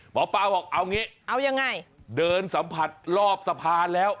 หมอปลาบอกเอางี้เอายังไงเดินสัมผัสรอบสะพานแล้ว